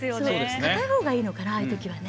硬いほうがいいのかなああいうときは。